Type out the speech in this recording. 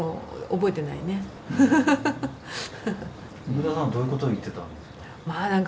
奥田さんはどういうことを言ってたんですか？